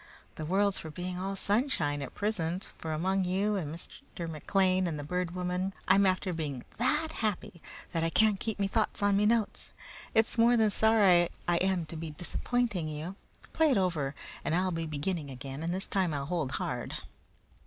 The world's for being all sunshine at prisint, for among you and Mr. McLean and the Bird Woman I'm after being THAT happy that I can't keep me thoughts on me notes. It's more than sorry I am to be disappointing you. Play it over, and I'll be beginning again, and this time I'll hold hard."